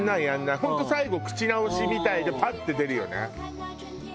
本当最後口直しみたいでパッて出るよね。